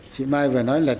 chị mai và nói lời